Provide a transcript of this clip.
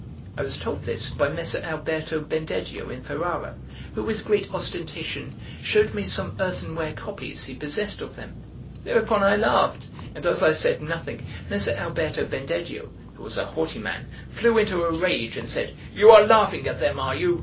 I was told this by Messer Alberto Bendedio in Ferrara, who with great ostentation showed me some earthenware copies he possessed of them. Thereupon I laughed, and as I said nothing, Messer Alberto Bendedio, who was a haughty man, flew into a rage and said: "You are laughing at them, are you?